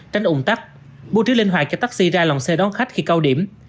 tránh ủng tắc bố trí linh hoạt cho taxi ra lòng xe đón khách khi cao điểm